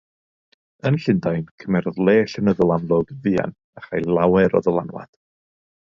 Yn Llundain, cymerodd le llenyddol amlwg yn fuan a châi lawer o ddylanwad.